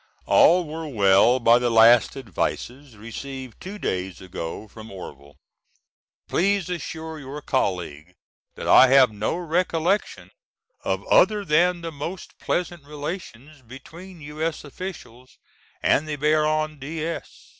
All were well by the last advices received two days ago from Orville. Please assure your colleague that I have no recollection of other than the most pleasant relations between U.S. officials and the Baron de S.